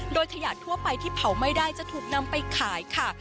โดยขยะทั่วไปที่เผาไม่ได้จะถูกนำไปขายค่ะ